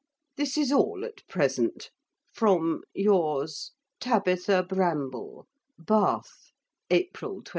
This is all at present, from Yours, TABITHA BRAMBLE BATH, April 26.